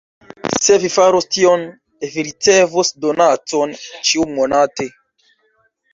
Se vi faros tion, vi ricevos donacon ĉiu-monate.